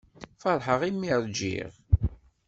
Feṛḥeɣ imi i ṛjiɣ.